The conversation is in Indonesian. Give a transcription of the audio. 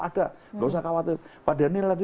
ada nggak usah khawatir pak daniel nanti